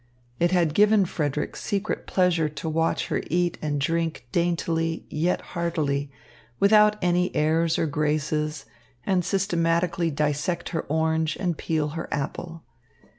It had given Frederick secret pleasure to watch her eat and drink daintily, yet heartily, without any airs or graces, and systematically dissect her orange and peel her apple.